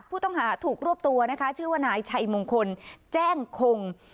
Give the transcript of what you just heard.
ผู้ต้องหาถูกรวบตัวนะคะชื่อว่านายชัยมงคลแจ้งคง